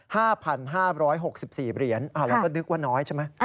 ๕๕๖๔เหรียญเราก็นึกว่าน้อยใช่ไหม